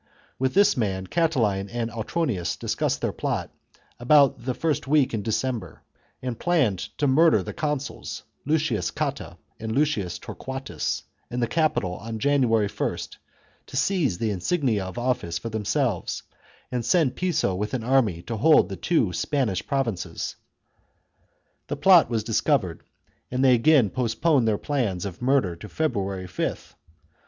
With this man, Catiline and Autronius discussed their plot about the first w^ek in December, and planned to murder the consuls, Lucius Cotta and Lucius Torquatus, in the Capitol on January 1st, to seize the insignia of office for them selves, and to send Piso with an army to hold the two Spanish provinces. The plot was discovered, and they again postponed their plans of murder to Feb ruary 5th.